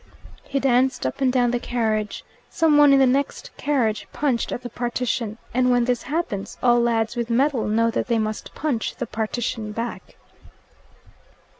He danced up and down the carriage. Some one in the next carriage punched at the partition, and when this happens, all lads with mettle know that they must punch the partition back.